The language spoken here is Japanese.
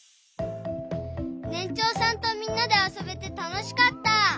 ねんちょうさんとみんなであそべてたのしかった！